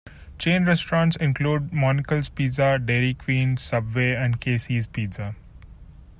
Chain restaurants include Monical's Pizza, Dairy Queen, Subway, and Casey's Pizza.